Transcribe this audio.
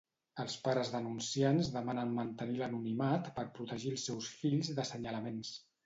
Els pares denunciants demanen mantenir l'anonimat per protegir els seus fills d'assenyalaments.